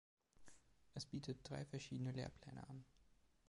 Es bietet drei verschiedene Lehrpläne an.